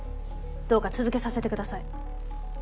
どうか続けさせてください。